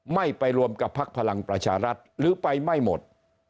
ไม่ไปรวมกับพักพลังประชารัฐหรือไปไม่หมด